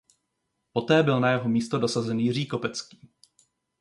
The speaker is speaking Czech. Poté byl na jeho místo dosazen Jiří Kopecký.